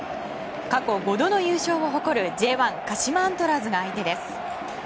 過去５度の優勝を誇るＪ１、鹿島アントラーズが相手です。